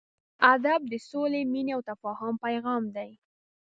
ادب د سولې، مینې او تفاهم پیغام دی.